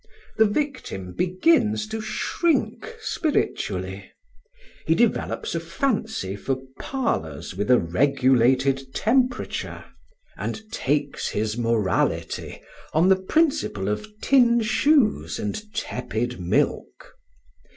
The victim begins to shrink spiritually; he develops a fancy for parlours with a regulated temperature, and takes his morality on the principle of tin shoes and tepid milk.